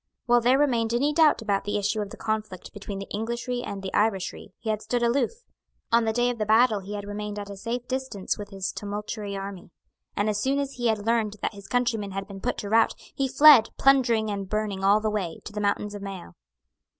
While there remained any doubt about the issue of the conflict between the Englishry and the Irishry, he had stood aloof. On the day of the battle he had remained at a safe distance with his tumultuary army; and, as soon as he had learned that his countrymen had been put to rout, he fled, plundering and burning all the way, to the mountains of Mayo.